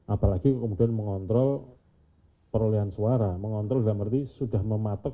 apalagi kemudian mengontrol perlian suara mengontrol sudah mematok